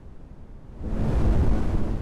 তাদের মধ্যে পারস্পরিক বিবাদ ছিল অতি পুরোনো।